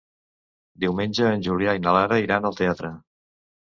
Diumenge en Julià i na Lara iran al teatre.